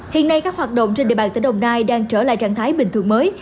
hiện nay các hoạt động trên địa bàn tỉnh đồng nai đang trở lại trạng thái bình thường mới